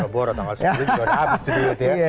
boroh boroh tanggal tujuh belas udah habis duit ya